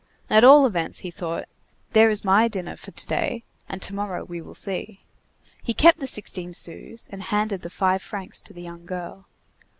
"At all events," he thought, "there is my dinner for to day, and to morrow we will see." He kept the sixteen sous, and handed the five francs to the young girl.